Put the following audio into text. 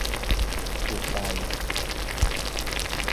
ถูกใจ